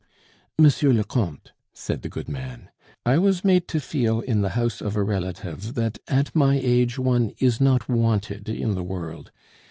"M. le Comte," said the good man, "I was made to feel in the house of a relative that at my age one is not wanted in the world.